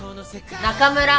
中村！